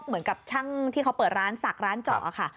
เหมือนกับช่างที่เขาเปิดร้านศักดิ์ร้านเจาะค่ะ